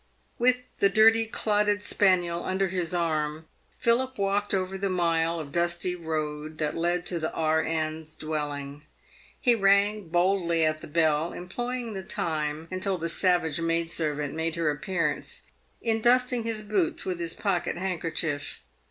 "With the dirty, clotted spaniel under his arm, Philip walked over the mile of dusty road that led to the R.N.'s dwelling. He rang boldly at the bell, employing the time until the savage maid servant made her appearance in dusting his boots with his pocket handker chief.